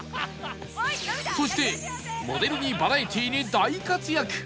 そしてモデルにバラエティーに大活躍！